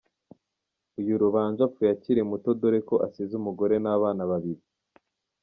Uyu Rubanje apfuye akiri muto dore ko asize umugore n’abana babili.